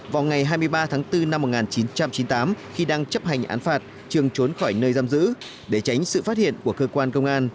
vào ngày hai mươi ba tháng bốn năm một nghìn chín trăm chín mươi tám khi đang chấp hành án phạt trường trốn khỏi nơi giam giữ để tránh sự phát hiện của cơ quan công an